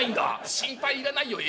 心配いらないよえ？